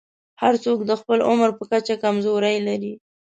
هر څوک د خپل عمر په کچه کمزورۍ لري.